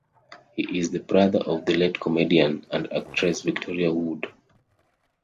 He is the brother of the late comedian and actress Victoria Wood.